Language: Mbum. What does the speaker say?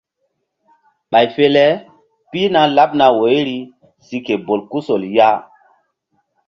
Ɓay fe le pihna laɓ woyri si ke bolkusol ya.